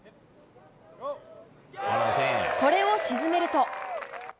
これを沈めると。